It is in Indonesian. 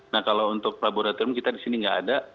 nah kalau untuk laboratorium kita di sini nggak ada